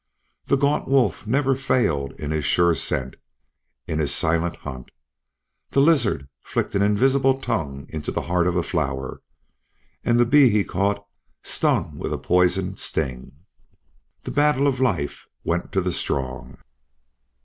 The gaunt wolf never failed in his sure scent, in his silent hunt. The lizard flicked an invisible tongue into the heart of a flower; and the bee he caught stung with a poisoned sting. The battle of life went to the strong.